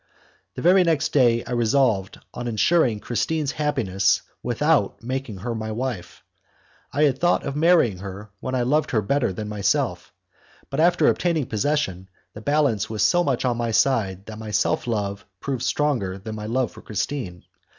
The very next day I resolved on insuring Christine's happiness without making her my wife. I had thought of marrying her when I loved her better than myself, but after obtaining possession the balance was so much on my side that my self love proved stronger than my love for Christine.